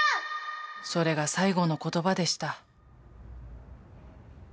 それが最後の言葉でした。